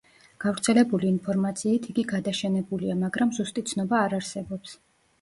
გავრცელებული ინფორმაციით იგი გადაშენებულია, მაგრამ ზუსტი ცნობა არ არსებობს.